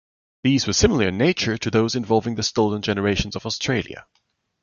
These were similar in nature to those involving the Stolen Generations of Australia.